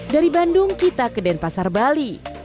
dari bandung kita ke denpasar bali